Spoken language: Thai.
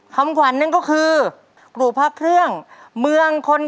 คำขวัญนั้นก็คือ